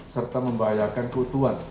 serta membahayakan keutuhan nkri